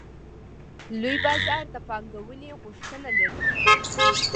لوی بازار د پانګونې غوښتنه لري.